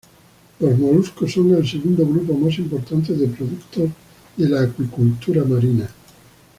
Los moluscos son el segundo grupo más importante de productos de la acuicultura marina.